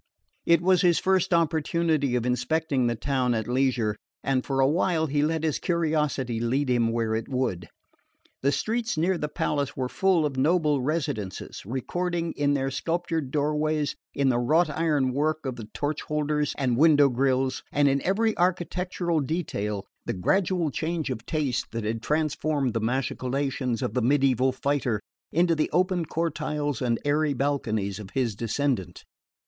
It was his first opportunity of inspecting the town at leisure, and for a while he let his curiosity lead him as it would. The streets near the palace were full of noble residences, recording, in their sculptured doorways, in the wrought iron work of torch holders and window grilles, and in every architectural detail, the gradual change of taste that had transformed the machicolations of the mediaeval fighter into the open cortiles and airy balconies of his descendant.